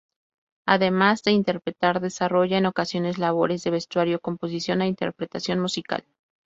Además de interpretar, desarrolla, en ocasiones, labores de vestuario, composición e interpretación musical.